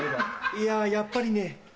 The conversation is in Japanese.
いややっぱりね。